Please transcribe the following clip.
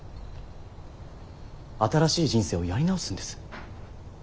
新しい人生をやり直すんです。